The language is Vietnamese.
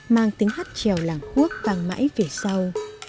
mang tiếng hát trèo làng quốc vàng mãi về sau